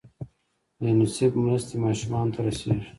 د یونیسف مرستې ماشومانو ته رسیږي؟